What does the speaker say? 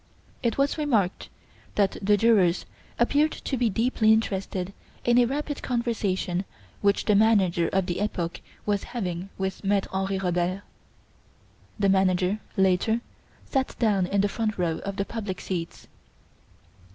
It was remarked that the jurors appeared to be deeply interested in a rapid conversation which the manager of the "Epoque" was having with Maitre Henri Robert. The manager, later, sat down in the front row of the public seats.